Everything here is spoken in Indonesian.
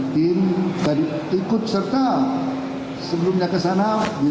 tim tadi ikut serta sebelumnya ke sana